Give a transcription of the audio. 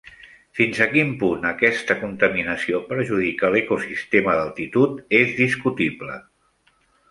Fins a quin punt aquesta contaminació perjudica l'ecosistema d'altitud és discutible.